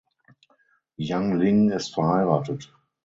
Yang Ling ist verheiratet.